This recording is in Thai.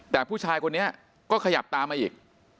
แต่ผู้ชายคนนี้ก็ขยับตามมาอีก